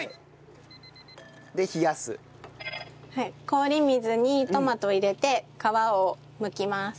氷水にトマトを入れて皮をむきます。